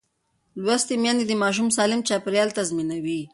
لوستې میندې د ماشوم سالم چاپېریال تضمینوي.